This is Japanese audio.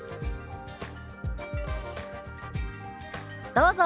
どうぞ。